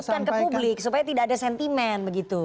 teruskan ke publik supaya tidak ada sentimen begitu